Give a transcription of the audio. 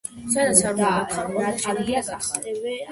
სადაც არ უნდა გათხარო, ყველგან შეგიძლია გათხარო.